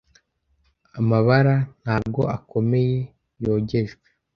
Amabara ntabwo akomeye, yogejwe